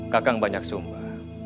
kakang banyak sumbah